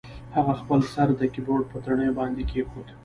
هغه خپل سر د کیبورډ په تڼیو باندې کیښود